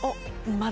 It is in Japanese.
まだ？